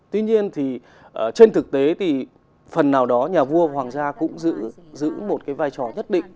tuy nhiên thì trên thực tế thì phần nào đó nhà vua hoàng gia cũng giữ một cái vai trò nhất định